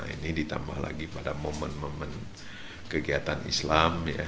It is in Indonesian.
ini ditambah lagi pada momen momen kegiatan islam